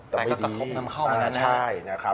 แต่ก็กระทบนำเข้ามาแล้วนะครับ